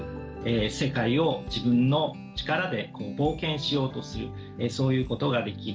世界を自分の力で冒険しようとするそういうことができると。